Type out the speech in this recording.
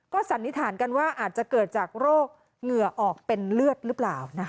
สันนิษฐานกันว่าอาจจะเกิดจากโรคเหงื่อออกเป็นเลือดหรือเปล่า